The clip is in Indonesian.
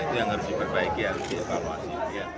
itu yang harus diperbaiki harus dievaluasi